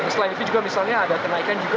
selain itu juga misalnya ada kenaikan juga